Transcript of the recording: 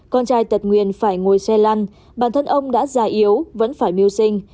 con trai tật nguyên phải ngồi xe lăn bản thân ông đã già yếu vẫn phải mưu sinh